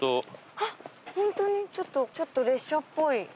あっホントにちょっとちょっと列車っぽい。